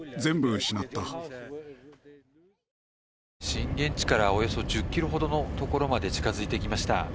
震源地からおよそ１０ｋｍほどのところまで近付いてきました。